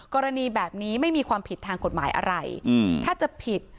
กรณีแบบนี้ไม่มีความผิดทางกฎหมายอะไรถ้าจะผิด